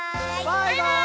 「バイバーイ！」